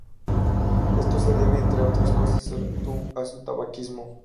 Esto se debe, entre otras cosas, a su tabaquismo.